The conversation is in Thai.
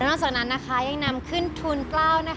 แล้วนอกจากนั้นนะคะยังนำขึ้นทุนเตลานะคะ